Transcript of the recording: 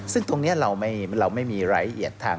ซึ่งตรงนี้เราไม่มีรายละเอียดทาง